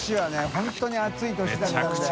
本当に暑い年だったんだよ。